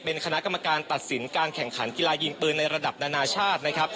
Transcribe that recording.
เป็นคณะกรรมการตัดสินการแข่งขันกีฬายิงปืนในระดับนานาชาตินะครับ